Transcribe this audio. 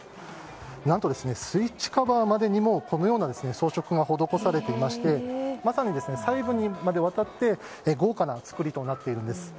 何とスイッチカバーまでにもこのような装飾が施されていましてまさに、細部にまでわたって豪華な造りとなっているんです。